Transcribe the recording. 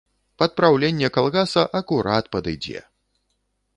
Пад праўленне калгаса акурат падыдзе.